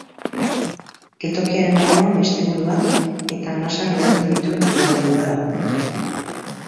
Geltokiaren barruan bestibulua eta nasak lotzen dituen igogailua dago.